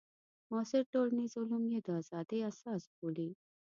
معاصر ټولنیز علوم یې د ازادۍ اساس بولي.